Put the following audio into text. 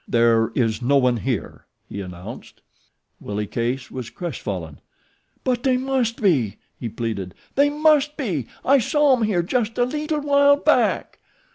"There is no one here," he announced. Willie Case was crestfallen. "But they must be," he pleaded. "They must be. I saw 'em here just a leetle while back."